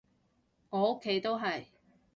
我屋企都係